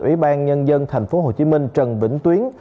ủy ban nhân dân tp hcm trần vĩnh tuyến